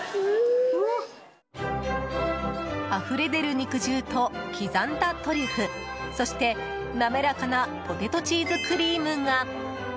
あふれ出る肉汁と刻んだトリュフそして、なめらかなポテトチーズクリームが。